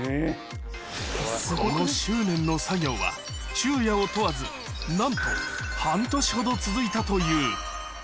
この執念の作業は昼夜を問わず、なんと半年ほど続いたという。